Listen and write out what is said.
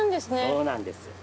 そうなんです。